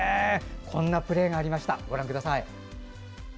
こんなプレーがありました。